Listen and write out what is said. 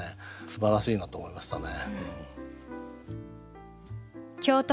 すばらしいなと思いましたね。